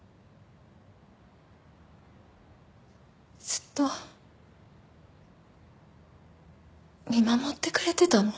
ずっと見守ってくれてたの？